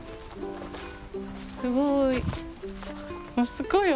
すごい。